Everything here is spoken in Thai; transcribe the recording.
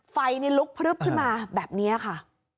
ไฟลุกพลึบขึ้นมาแบบนี้ค่ะ